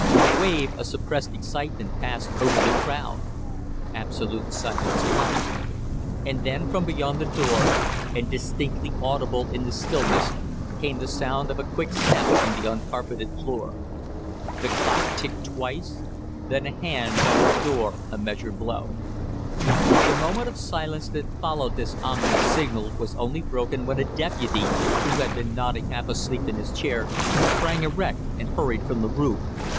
A wave of suppressed excitement passed over the crowd; absolute silence followed; and then from beyond the door, and distinctly audible in the stillness, came the sound of a quick step on the uncarpeted floor. The clock ticked twice, then a hand dealt the door a measured blow. The moment of silence that followed this ominous signal was only broken when a deputy who had been nodding half asleep in his chair, sprang erect and hurried from the room.